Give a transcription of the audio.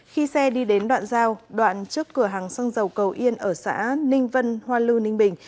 khi xe đi đến đoạn giao đoạn trước cửa hàng xăng dầu cầu yên ở xã ninh vân hoa lư ninh bình